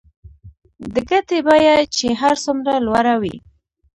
د ګټې بیه چې هر څومره لوړه وي